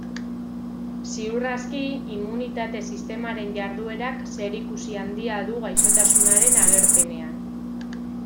Ziur aski immunitate-sistemaren jarduerak zerikusi handia du gaixotasunaren agerpenean.